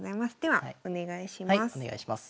はいお願いします。